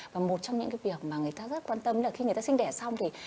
và một trong những cái việc mà người ta rất quan tâm là khi người ta sinh đẻ xong thì